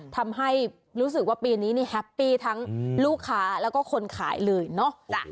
ทำให้รู้สึกว่าปีนี้นี่แฮปปี้ทั้งลูกค้าแล้วก็คนขายเลยเนาะ